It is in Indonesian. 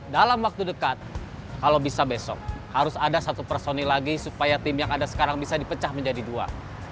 dalam waktu dekat kalau bisa besok harus ada satu personil lagi supaya tim yang ada sekarang bisa dipecah menjadi dua